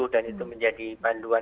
dan itu menjadi panduan